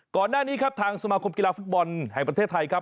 ก่อนหน้านี้ครับทางสมาคมกีฬาฟุตบอลแห่งประเทศไทยครับ